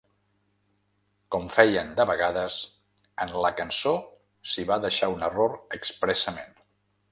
Com feien de vegades, en la cançó s’hi va deixar un error expressament.